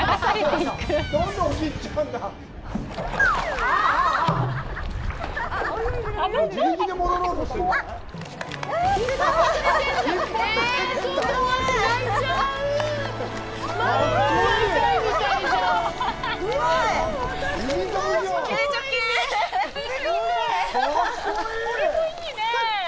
これもいいね。